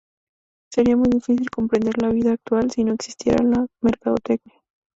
Sería muy difícil comprender la vida actual si no existiera la mercadotecnia.